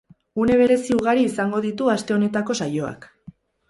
Une berezi ugari izango ditu aste honetako saioak.